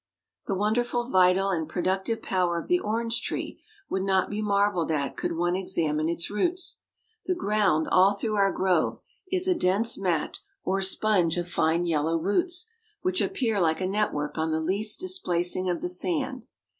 The wonderful vital and productive power of the orange tree would not be marvelled at could one examine its roots. The ground all through our grove is a dense mat or sponge of fine yellow roots, which appear like a network on the least displacing of the sand.